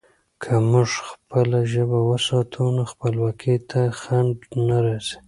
که موږ خپله ژبه وساتو، نو خپلواکي ته خنډ نه راځي.